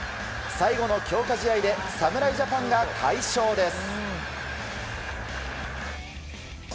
最後の強化試合で侍ジャパンが快勝です。